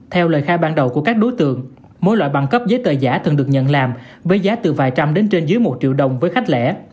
theo lời khai ban đầu của các đối tượng mỗi loại bằng cấp giấy tờ giả thường được nhận làm với giá từ vài trăm đến trên dưới một triệu đồng với khách lẻ